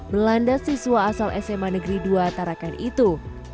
melanda siswa asal sma negeri dua tarakan itu